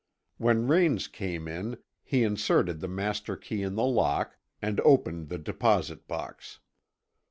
When Raines came in he inserted the master key in the lock and opened the deposit box.